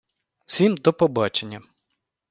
Всім до побачення!